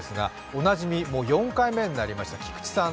おなじみ、４回目になりました菊池さん。